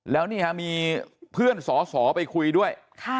แล้วนี่ฮะมีเพื่อนสอสอไปคุยด้วย